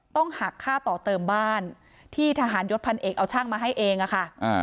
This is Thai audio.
ต้องหักค่าต่อเติมบ้านที่ทหารยศพันเอกเอาช่างมาให้เองอะค่ะ